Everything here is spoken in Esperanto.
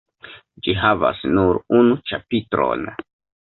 Ĝi havas nur unu ĉapitron.